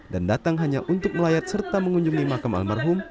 dan datang hanya untuk melayat serta mengunjungi makam almarhum